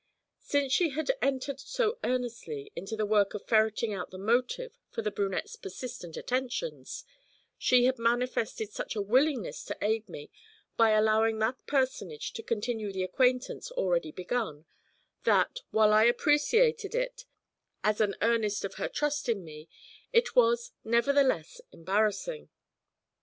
Since she had entered so earnestly into the work of ferreting out the motive for the brunette's persistent attentions, she had manifested such a willingness to aid me by allowing that personage to continue the acquaintance already begun, that, while I appreciated it as an earnest of her trust in me, it was, nevertheless, embarrassing.